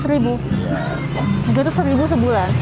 tujuh ratus ribu sebulan